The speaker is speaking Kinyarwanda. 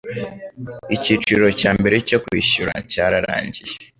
icyiciro cya mbere cyo kwishyura cyararangiye